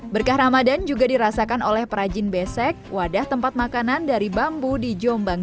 berkah ramadan juga dirasakan oleh perajin besek wadah tempat makanan dari bambu di jombang